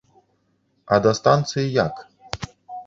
А да станцыі як?